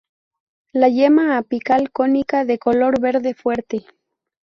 La yema apical cónica de color verde fuerte.